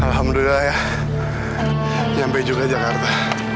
alhamdulillah ya nyampe juga jakarta